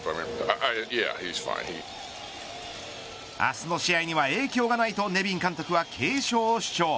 明日の試合には影響がないとネビン監督は軽傷を主張。